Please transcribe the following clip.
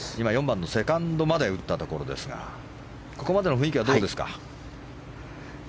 ４番のセカンドまで打ったところですがここまでの雰囲気はどうですか？